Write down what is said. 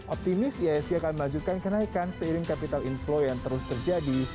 optimis ihsg akan melanjutkan kenaikan seiring capital inflow yang terus terjadi